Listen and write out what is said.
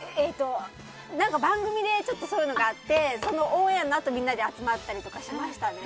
何か、番組でそういうのがあってそのオンエアのあとみんなで集まったりとかしましたね。